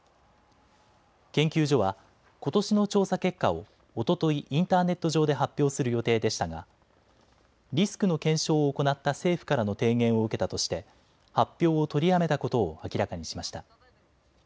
研究所はことしの調査結果をおととい、インターネット上で発表する予定でしたがリスクの検証を行った政府からの提言を受けたとして発表を取りやめたことを明らかにしました。